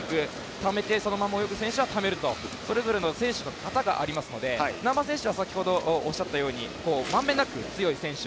ためて、そのまま泳ぐ選手はためると、それぞれの選手の型がありますので難波選手はおっしゃったようにまんべんなく強い選手。